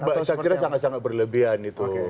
mbak cak cira sangat sangat berlebihan itu